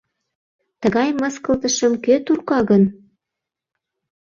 Тыгай мыскылтышым кӧ турка гын?